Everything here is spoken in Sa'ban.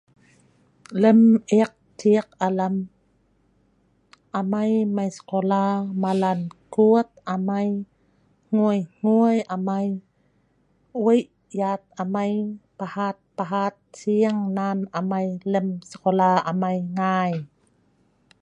Lem ek ciik alam, amai mai sekolah malan kut amai. Hgui-hgui amai. Wei yat amai pahat-pahat siing nan amai lem sekolah amai ngai.